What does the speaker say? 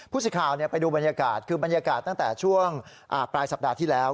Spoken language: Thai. สิทธิ์ข่าวไปดูบรรยากาศคือบรรยากาศตั้งแต่ช่วงปลายสัปดาห์ที่แล้ว